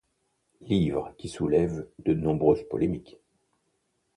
Livre qui soulève de nombreuses polémiques.